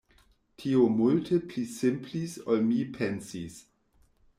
Tio multe pli simplis ol mi pensis.